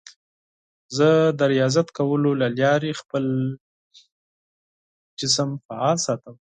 زه د ریاضت کولو له لارې خپل جسم فعال ساتم.